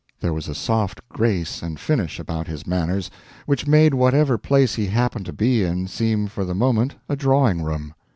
There was a soft grace and finish about his manners which made whatever place he happened to be in seem for the moment a drawing room.